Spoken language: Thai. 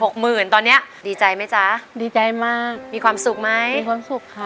หมื่นตอนเนี้ยดีใจไหมจ๊ะดีใจมากมีความสุขไหมมีความสุขค่ะ